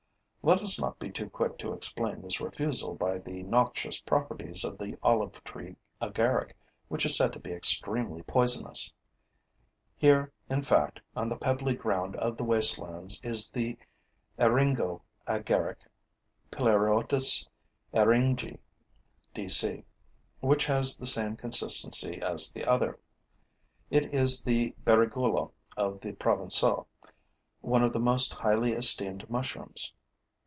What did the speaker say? Let us not be too quick to explain this refusal by the noxious properties of the olive tree agaric, which is said to be extremely poisonous. Here, in fact, on the pebbly ground of the wastelands, is the eryngo agaric (Pleurotus eryngii, D. C.), which has the same consistency as the other. It is the berigoulo of the Provencaux, one of the most highly esteemed mushrooms.